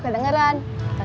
tapi gak kedengaran